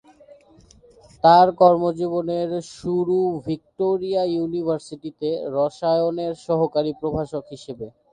তার কর্মজীবনের শুরু ভিক্টোরিয়া ইউনিভার্সিটিতে রসায়নের সহকারী প্রভাষক হিসেবে।